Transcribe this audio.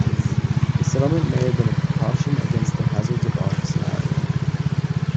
The settlement may have been a precaution against the hazards of office in Ireland.